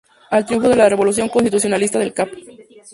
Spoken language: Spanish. Al triunfo de la revolución constitucionalista el Cap.